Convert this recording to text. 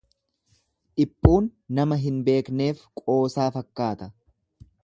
Dhiphuun nama hin beekneef qoosaa fakkaata.